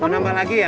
mau nambah lagi ya